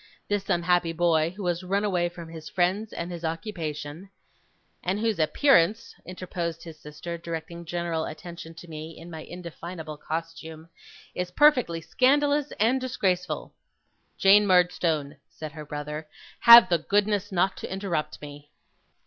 This unhappy boy who has run away from his friends and his occupation ' 'And whose appearance,' interposed his sister, directing general attention to me in my indefinable costume, 'is perfectly scandalous and disgraceful.' 'Jane Murdstone,' said her brother, 'have the goodness not to interrupt me.